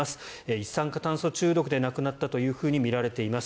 一酸化炭素中毒で亡くなったとみられています。